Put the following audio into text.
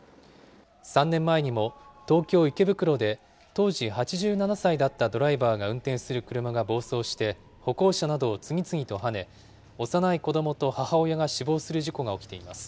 ３年前にも東京・池袋で当時８７歳だったドライバーが運転する車が暴走して、歩行者などを次々とはね、幼い子どもと母親が死亡する事故が起きています。